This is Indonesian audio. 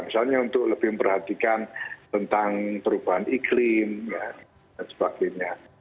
misalnya untuk lebih memperhatikan tentang perubahan iklim dan sebagainya